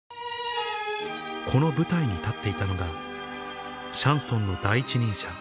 この舞台に立っていたのがシャンソンの第一人者